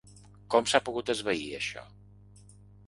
Com s’ha pogut esvair, això?